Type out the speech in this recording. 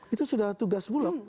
itu sudah tugas bulog